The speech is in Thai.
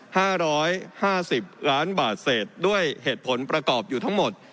ห้าร้อยห้าสิบล้านบาทเศษด้วยเหตุผลประกอบอยู่ทั้งหมด